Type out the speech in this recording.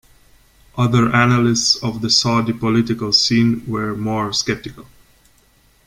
Other analysts of the Saudi political scene were more skeptical.